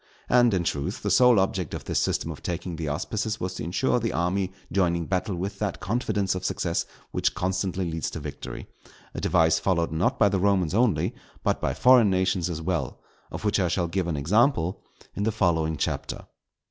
And, in truth, the sole object of this system of taking the auspices was to insure the army joining battle with that confidence of success which constantly leads to victory; a device followed not by the Romans only, but by foreign nations as well; of which I shall give an example in the following Chapter.